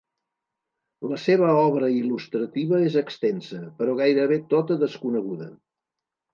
La seva obra il·lustrativa és extensa, però gairebé tota desconeguda.